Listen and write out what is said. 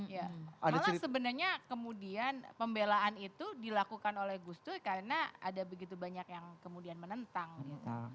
ya malah sebenarnya kemudian pembelaan itu dilakukan oleh gus dur karena ada begitu banyak yang kemudian menentang gitu